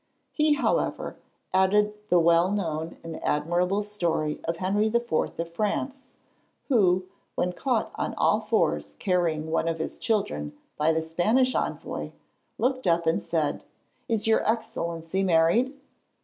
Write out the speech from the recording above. He, however, added the well known and admirable story of Henry IV. of France, who, when caught on all fours carrying one of his children, by the Spanish envoy, looked up and said, 'Is your excellency married?'